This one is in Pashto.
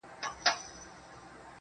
ستا د خولې خندا يې خوښه سـوېده.